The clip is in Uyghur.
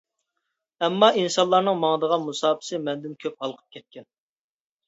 ئەمما ئىنسانلارنىڭ ماڭىدىغان مۇساپىسى مەندىن كۆپ ھالقىپ كەتكەن.